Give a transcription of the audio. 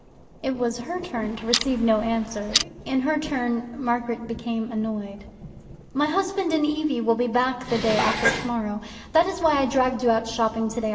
It was her turn to receive no answer. In her turn Margaret became annoyed. "My husband and Evie will be back the day after tomorrow. That is why I dragged you out shopping today.